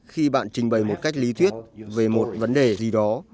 khi bạn trình bày một cách lý thuyết về một vấn đề gì đó